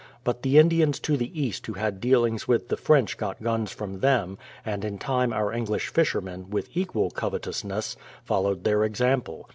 But the Indians to the East who had dealings with the French got guns from them, and in time our English fishermen, with equal covetousness, followed their example.